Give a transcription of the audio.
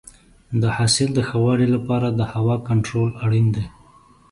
د حاصل د ښه والي لپاره د هوا کنټرول اړین دی.